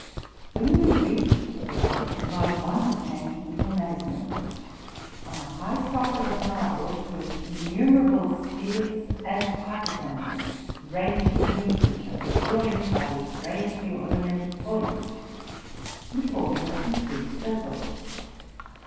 When we reached the railing, my wonder changed into amazement. On a high socle of marble stood innumerable spears and partisans, ranged beneath each other, joined by their strangely ornamented points, and forming a complete circle.